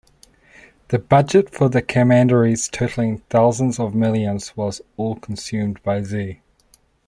The budget for the commandaries totaling thousands of million was all consumed by Ze.